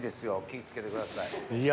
気ぃ付けてください。